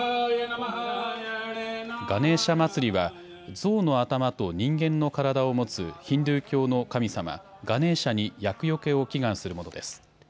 ガネーシャ祭りは象の頭と人間の体を持つヒンドゥー教の神様、ガネーシャに厄よけを祈願するものです。